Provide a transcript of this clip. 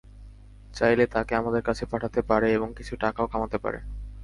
চাইলে তাকে আমাদের কাছে পাঠাতে পারে এবং কিছু টাকাও কামাতে পারে।